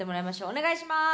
お願いします！